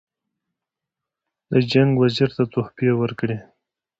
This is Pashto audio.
د جنګ وزیر ته تحفې ورکړي.